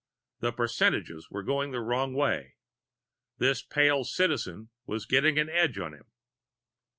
The percentages were going the wrong way. This pale Citizen was getting an edge on him.